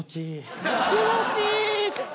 気持ちいい！